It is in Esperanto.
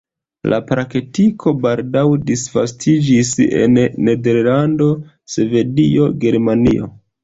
La praktiko baldaŭ disvastiĝis en Nederlando, Svedio, Germanio.